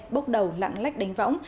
bốc đầu lãng lách đánh võng